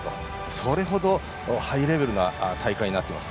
それほどハイレベルな大会になってます。